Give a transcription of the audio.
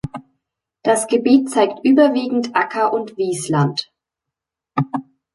Das Gebiet zeigt überwiegend Acker- und Wiesland.